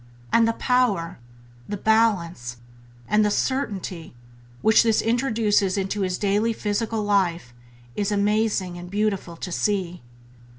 And the power, the balance and the certainty which this introduces into his daily physical life is amazing and beautiful to see.